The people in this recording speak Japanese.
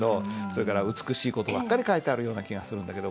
それから美しい事ばっかり書いてあるような気がするんだけど。